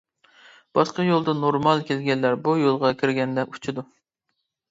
باشقا يولدا نورمال كەلگەنلەر بۇ يولغا كىرگەندە ئۇچىدۇ.